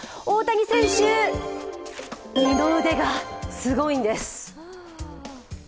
大谷選手、二の腕がすごいんです。